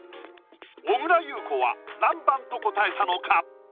小倉優子は何番と答えたのか？